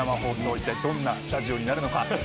いったいどんなスタジオになるのか。